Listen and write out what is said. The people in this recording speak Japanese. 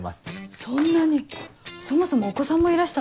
そんなにそもそもお子さんもいらしたんですね。